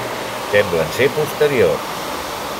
Semblen ser posteriors.